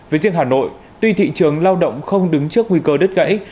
với riêng hà nội tuy thị trường lao động không đứng trước nguy cơ đứt gãy